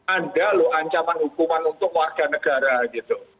ada loh ancaman hukuman untuk warga negara gitu